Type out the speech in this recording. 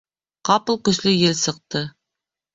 Ҡапыл көслө ел сыҡты.